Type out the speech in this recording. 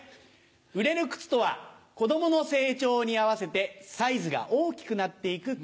売れる靴とは子供の成長に合わせてサイズが大きくなって行く靴。